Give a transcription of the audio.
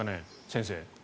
先生。